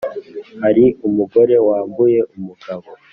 hari umugore wambuye umugabo